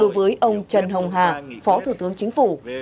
với ông trần hồng hà phó thủ tướng chính phủ